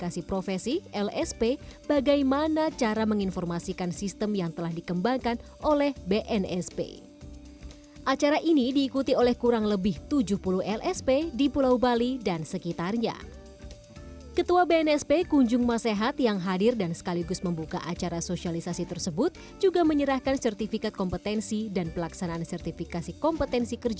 selain mengembangkan sistem informasi bnsp ketua bnsp kunjung masehat juga melakukan pengecekan